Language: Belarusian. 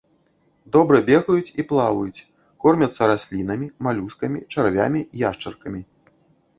Добра бегаюць і плаваюць, кормяцца раслінамі, малюскамі, чарвямі, яшчаркамі.